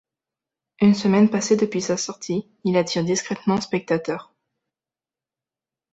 Une semaine passée depuis sa sortie, il attire discrètement spectateurs.